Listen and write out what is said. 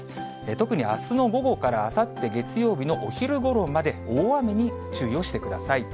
特にあすの午後からあさって月曜日のお昼ごろまで、大雨に注意をしてください。